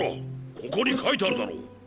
ここに書いてあるだろ。